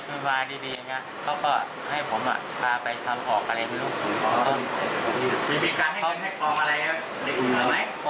มีภิการให้ห้องอะไรนะปลอมของอะไร